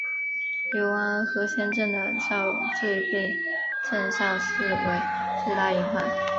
流亡河仙镇的昭最被郑昭视为最大隐患。